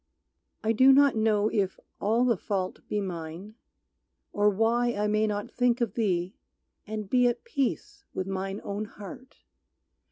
I do not know if all the fault be mine, Or why I may not think of thee and be At peace with mine own heart.